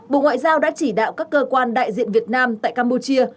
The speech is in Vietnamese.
bộ ngoại giao đã chỉ đạo các cơ quan đại diện việt nam tại campuchia